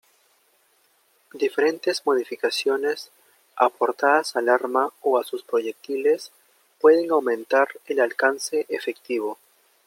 Diferentes modificaciones aportadas al arma o a sus proyectiles pueden aumentar el alcance efectivo.